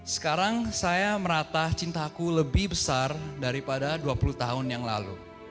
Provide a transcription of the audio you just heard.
sekarang saya merata cintaku lebih besar daripada dua puluh tahun yang lalu